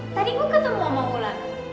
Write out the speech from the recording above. tadi gue ketemu sama ulan